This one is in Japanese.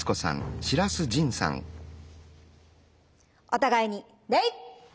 お互いに礼！